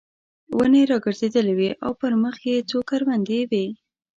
ونې را ګرځېدلې وې او پر مخامخ یې څو کروندې وې.